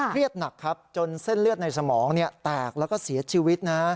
เครียดหนักจนเส้นเลือดในสมองแตกและเสียชีวิต